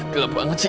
gelap banget cik